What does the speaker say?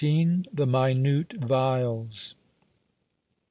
THE MINUTE VIALS.